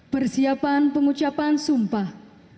persiapan pengucapan sumpah